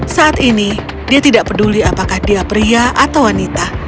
saat ini dia tidak peduli apakah dia pria atau wanita